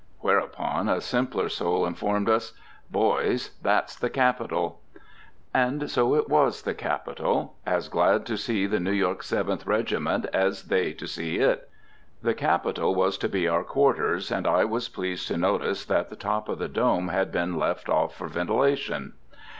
Whereupon a simpler soul informed us, "Boys, that's the Capitol." And so it was the Capitol, as glad to see the New York Seventh Regiment as they to see it. The Capitol was to be our quarters, and I was pleased to notice that the top of the dome had been left off for ventilation.